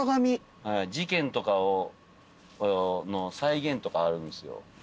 事件とかの再現とかあるんすよ。